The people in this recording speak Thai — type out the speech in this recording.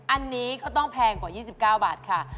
อันนี้ก็ต้องแพงกว่า๒๙บาทค่ะ